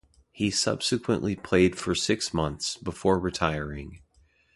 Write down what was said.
He subsequently played for six months, before retiring.